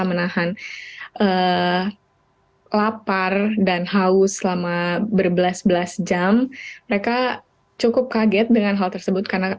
menahan lapar dan haus selama berbelas belas jam mereka cukup kaget dengan hal tersebut karena